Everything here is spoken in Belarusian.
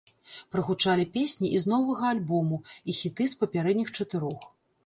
Прагучалі песні і з новага альбому, і хіты з папярэдніх чатырох.